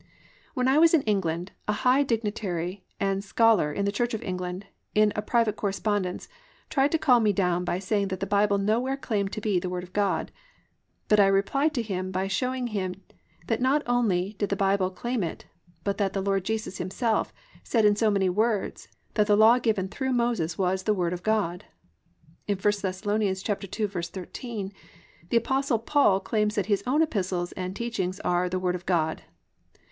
_" When I was in England a high dignitary and scholar in the Church of England in a private correspondence tried to call me down by saying that the Bible nowhere claimed to be "the Word of God," but I replied to him by showing him that not only did the Bible claim it, but that the Lord Jesus Himself said in so many words that the law given through Moses was "the Word of God." In 1 Thess. 2:13 the Apostle Paul claims that his own epistles and teachings are "the Word of God."